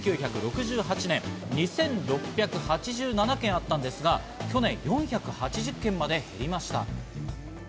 東京都では１９６８年、２６８７軒があったんですが、去年４８１軒まで減りました。